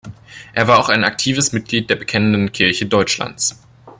Er war auch ein aktives Mitglied der Bekennenden Kirche Deutschlands.